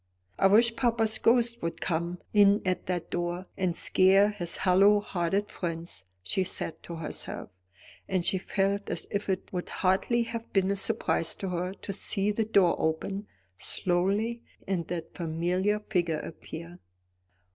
"I wish papa's ghost would come in at that door and scare his hollow hearted friends," she said to herself; and she felt as if it would hardly have been a surprise to her to see the door open slowly and that familiar figure appear.